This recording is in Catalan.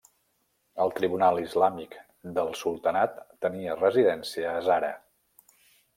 El tribunal islàmic del sultanat tenia residència a Zara.